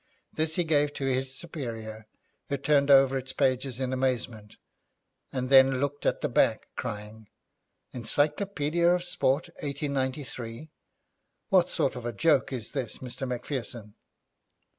This he gave to his superior, who turned over its pages in amazement, and then looked at the back, crying, 'Encyclopaedia of Sport, 1893! What sort of a joke is this, Mr. Macpherson?'